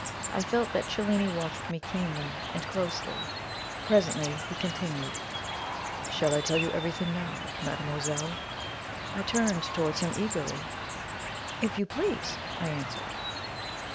I felt that Cellini watched me keenly and closely. Presently he continued: "Shall I tell you everything now, mademoiselle?" I turned towards him eagerly. "If you please," I answered.